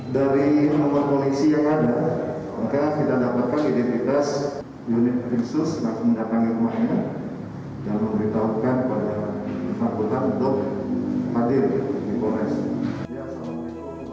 dari nomor polisi yang ada kita dapatkan identitas unit prinsus yang datang ke rumahnya dan memberitahukan pada empat bulan untuk mati di polisi